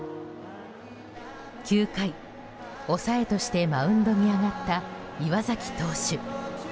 ９回、抑えとしてマウンドに上がった岩崎投手。